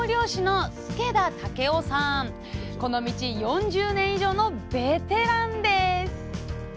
この道４０年以上のベテランです。